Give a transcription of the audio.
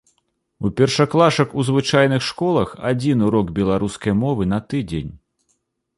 У першаклашак у звычайных школах адзін урок беларускай мовы на тыдзень.